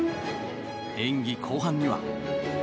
演技後半には。